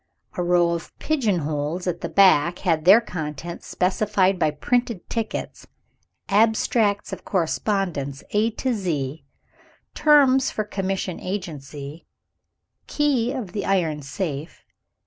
A row of "pigeon holes" at the back had their contents specified by printed tickets. "Abstracts of correspondence, A to Z;" "Terms for commission agency;" "Key of the iron safe."